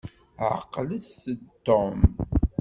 Ɛqlet-d Tom.